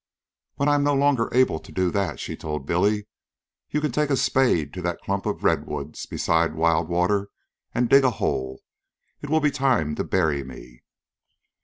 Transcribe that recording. "When I 'm no longer able to do that," she told Billy, "you can take a spade to that clump of redwoods beside Wild Water and dig a hole. It will be time to bury me."